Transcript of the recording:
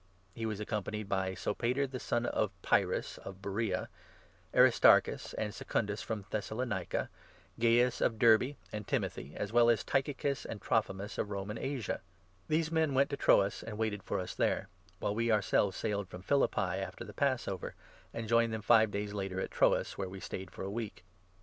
He was accompanied by Sopater the son of Pyrrhus, 4 of Beroea, Aristarchus and Secundus from Thessalonica, Gaius of Derbe, and Timothy, as well as by Tychicus and Trophimus of Roman Asia. These men went to 5 PaUl Troas and waited for us there ; while we our 6 at Troas. selves sailed from Philippi after the Passover, and joined them five days later at Troas, where we stayed for a week.